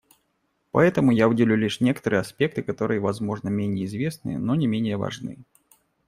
Поэтому я выделю лишь некоторые аспекты, которые, возможно, менее известны, но не менее важны.